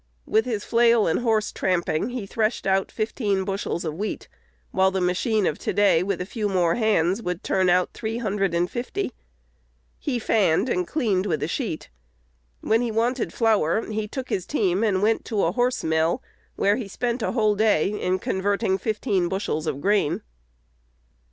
With his flail and horse tramping, he threshed out fifteen bushels of wheat; while the machine of to day, with a few more hands, would turn out three hundred and fifty. He "fanned" and "cleaned with a sheet." When he wanted flour, he took his team and went to a "horse mill," where he spent a whole day in converting fifteen bushels of grain.